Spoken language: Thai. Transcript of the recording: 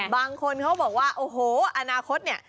บางคนเขาบอกว่าโอ้โหอนาคตเนี่ย